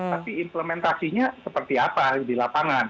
tapi implementasinya seperti apa di lapangan